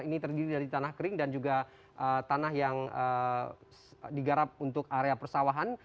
ini terdiri dari tanah kering dan juga tanah yang digarap untuk area persawahan